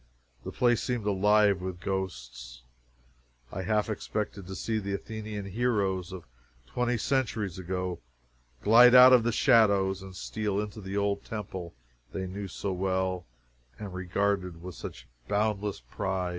The place seemed alive with ghosts. I half expected to see the Athenian heroes of twenty centuries ago glide out of the shadows and steal into the old temple they knew so well and regarded with such boundless pride.